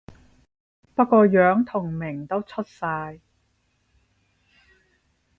不過樣同名都出晒